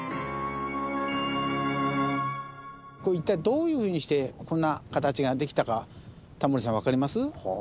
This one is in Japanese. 一体どういうふうにしてこんな形ができたかタモリさんわかります？